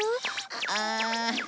ああ。